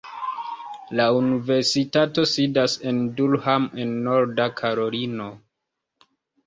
La universitato sidas en Durham en Norda Karolino.